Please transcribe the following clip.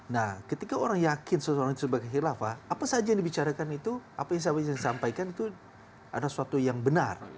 nah ketika orang yakin seseorang itu sebagai khilafah apa saja yang dibicarakan itu apa yang disampaikan itu adalah suatu yang benar